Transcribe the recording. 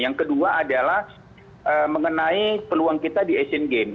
yang kedua adalah mengenai peluang kita di asian games